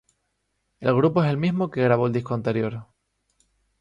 El grupo es el mismo que grabó el disco anterior.